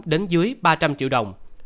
đến dưới ba trăm linh triệu đồng